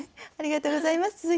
ありがとうございます。